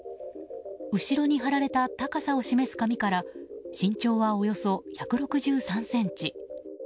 後ろに貼られた高さを示す紙から身長はおよそ１６３ｃｍ。